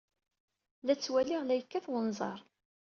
La ttwaliɣ la yekkat wenẓar.